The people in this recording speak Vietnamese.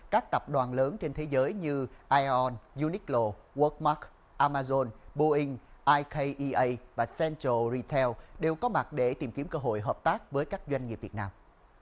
các tập đoàn lớn trên thế giới như ion unichlo workmark amazon boeing icaea và central retail đều có mặt để tìm kiếm cơ hội hợp tác với các doanh nghiệp việt nam